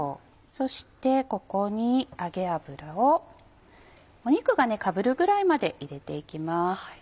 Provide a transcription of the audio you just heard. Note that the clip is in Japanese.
そしてここに揚げ油を肉がかぶるぐらいまで入れていきます。